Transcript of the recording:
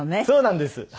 そうなんです。